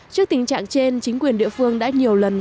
trước tình trạng trên chính quyền địa phương đã nhiều lần phá hủy khách